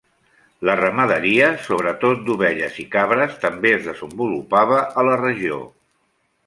La ramaderia, sobretot d'ovelles i cabres, també es desenvolupava a la regió.